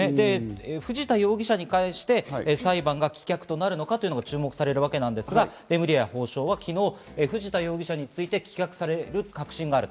藤田容疑者に関して、裁判が棄却となるのかが注目されるわけですが、レムリヤ法相は昨日、藤田容疑者について棄却される確信があると。